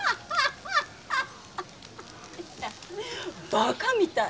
バカみたい。